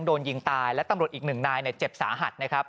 โดนยิงตายและตำรวจอีกหนึ่งนายเจ็บสาหัสนะครับ